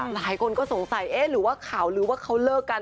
หลายคนก็สงสัยเอ๊ะหรือว่าข่าวหรือว่าเขาเลิกกัน